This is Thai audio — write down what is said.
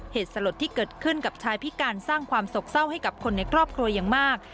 เหตุสลดที่เกิดขึ้นกับชายพิการสร้างความสกเศร้าให้กับคนในครอบครัวอย่างมาก